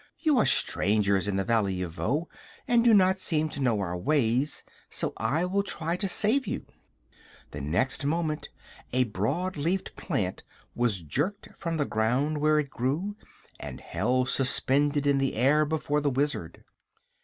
"You are strangers in the Valley of Voe, and do not seem to know our ways; so I will try to save you." The next moment a broad leaved plant was jerked from the ground where it grew and held suspended in the air before the Wizard.